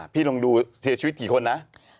พี่ลองดูเสียชีวิตกี่คนนะ